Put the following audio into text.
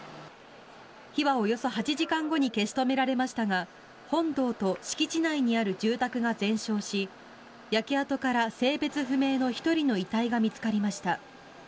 火はおよそ８時間後に消し止められましたが本堂と敷地内にある住宅が全焼し焼け跡から性別不明の１人の遺体が見つかりました。